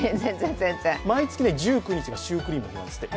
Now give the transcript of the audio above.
毎月１９日がシュークリームの日なんですって。